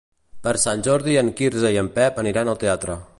Per Sant Jordi en Quirze i en Pep aniran al teatre.